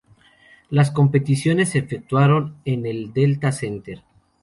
Las competiciones se efectuaron en el Delta Center.